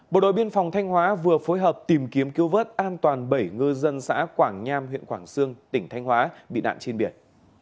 bộ đội biên phòng thanh hóa vừa phối hợp tìm kiếm cứu vớt an toàn bảy ngư dân xã quảng nham huyện quảng sương tỉnh thanh hóa bị nạn trên biển